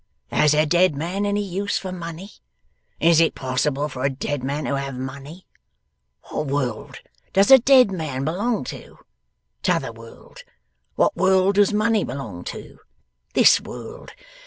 Has a dead man any use for money? Is it possible for a dead man to have money? What world does a dead man belong to? 'Tother world. What world does money belong to? This world.